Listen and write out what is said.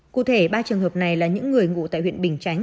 cụ thể ba trường hợp này là những người ngụ tại huyện bình chánh